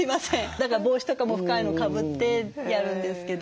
だから帽子とかも深いのかぶってやるんですけど。